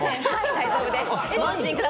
大丈夫です。